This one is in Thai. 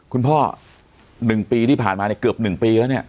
คุณพ่อ๑ปีที่ผ่านมาเนี่ยเกือบ๑ปีแล้วเนี่ย